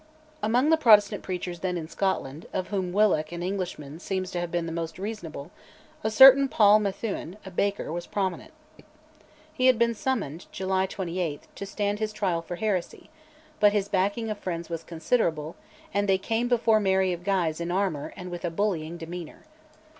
Among the Protestant preachers then in Scotland, of whom Willock, an Englishman, seems to have been the most reasonable, a certain Paul Methuen, a baker, was prominent. He had been summoned (July 28) to stand his trial for heresy, but his backing of friends was considerable, and they came before Mary of Guise in armour and with a bullying demeanour.